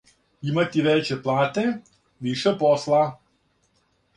Имати веће плате, више посла?